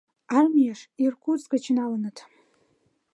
Армийыш Иркутск гыч налыныт.